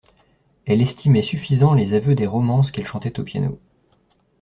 Elle estimait suffisants les aveux des romances qu'elle chantait au piano.